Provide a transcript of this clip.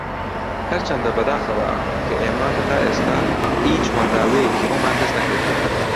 ھەرچەندە بەداخەوە کە ئێمە ھەتا ئێستا ھیچ ھۆنراوەیەکی ئەومان دەست نەکەوتووە